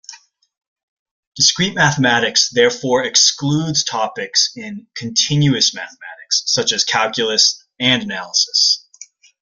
Discrete mathematics therefore excludes topics in "continuous mathematics" such as calculus and analysis.